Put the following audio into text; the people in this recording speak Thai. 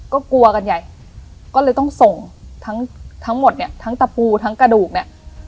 ก็กลัวกันใหญ่ก็เลยต้องส่งทั้งทั้งหมดเนี่ยทั้งตะปูทั้งกระดูกเนี่ย